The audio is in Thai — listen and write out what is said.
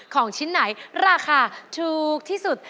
ของชิ้นไหนราคาถูกที่สุด